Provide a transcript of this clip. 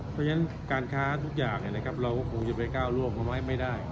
เพราะฉะนั้นการค้าทุกอย่างเราก็คงจะไปก้าวร่วมกันไว้ไม่ได้